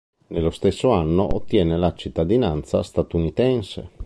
Nello stesso anno ottiene la cittadinanza statunitense.